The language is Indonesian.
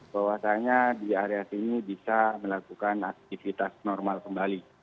bahwasannya di area sini bisa melakukan aktivitas normal kembali